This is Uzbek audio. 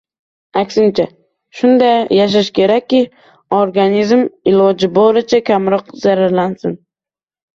aksincha, shunday yashash kerakki, organizm ilojp boricha kamroq zararlansin